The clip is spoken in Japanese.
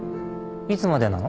いつまでなの？